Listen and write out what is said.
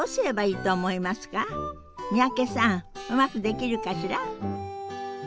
三宅さんうまくできるかしら？